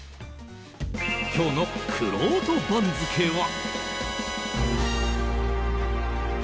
今日のくろうと番付は。